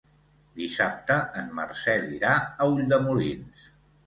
Dissabte en Marcel irà a Ulldemolins.